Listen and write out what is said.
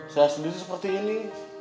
saya sendiri seperti ini